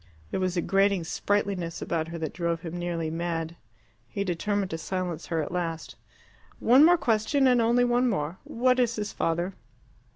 There was a grating sprightliness about her that drove him nearly mad. He determined to silence her at last. "One more question, and only one more. What is his father?"